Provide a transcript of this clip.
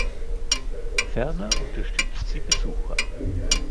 Ferner unterstützt sie Besucher.